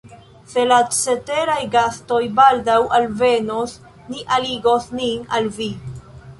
Se la ceteraj gastoj baldaŭ alvenos, ni aligos nin al vi.